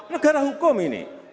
negara hukum ini